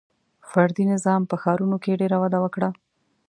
• فردي نظام په ښارونو کې ډېر وده وکړه.